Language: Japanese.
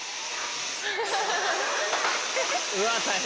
うわ大変。